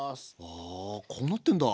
あこうなってんだ。